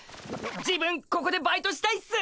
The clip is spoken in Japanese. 自分ここでバイトしたいっす！